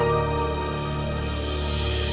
ate bisa menikah